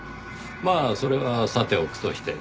まあそれはさておくとして。